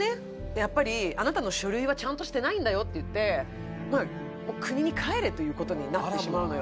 やっぱりあなたの書類はちゃんとしてないんだよっていって国に帰れということになってしまうのよ